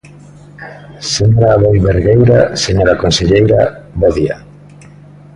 Señora Aboi Bergueira, señora conselleira, bo día.